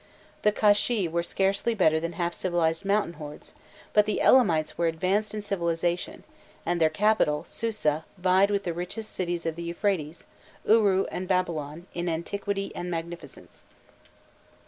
The Kashshi were scarcely better than half civilized mountain hordes, but the Elamites were advanced in civilization, and their capital, Susa, vied with the richest cities of the Euphrates, Uru and Babylon, in antiquity and magnificence.